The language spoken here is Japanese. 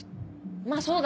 まぁそうだよね。